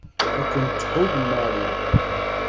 Ad ken-tḥudd Mary.